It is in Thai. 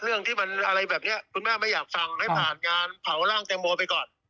เรื่องที่มันอะไรแบบนี้คุณแม่ไม่อยากฟังให้ผ่านงานเผาร่างแตงโมไปก่อน